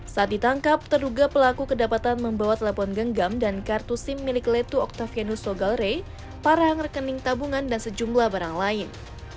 saat ditangkap terduga pelaku kedapatan membawa telepon genggam dan kartu sim milik letu octavianus sogalre parang rekening tabungan dan sejumlah barang lain